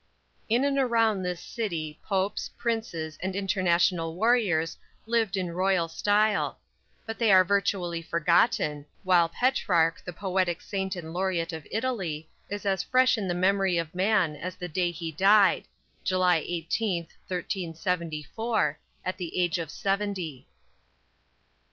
In and around this city popes, princes and international warriors lived in royal style; but they are virtually forgotten, while Petrarch, the poetic saint and laureate of Italy, is as fresh in the memory of man as the day he died July 18th, 1374, at the age of seventy.